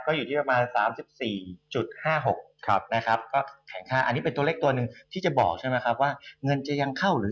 ก็อยู่ที่ประมาณ๓๔๕๖ก็แข็งฆ่า